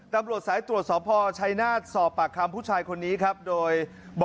ตำรวจสายตรวจสอบพชัยนาศสอบปากคำผู้ชายคนนี้ครับโดย